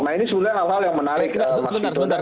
nah ini sebenarnya hal hal yang menarik